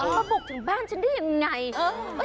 มาบุกถึงบ้านฉันอย่างไร